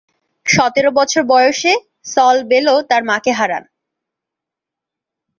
সতেরো বছর বয়সে সল বেলো তার মাকে হারান।